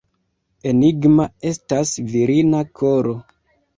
Enigma estas virina koro!